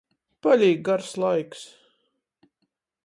Palīk gars laiks.